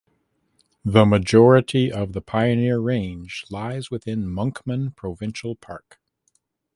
The majority of the Pioneer Range lies within Monkman Provincial Park.